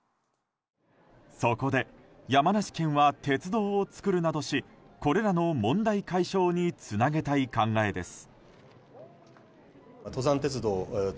そこで、山梨県は鉄道を作るなどしこれらの問題解消につなげたい考えです。